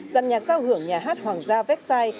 giàn nhạc giao hưởng nhà hát hoàng gia phê xai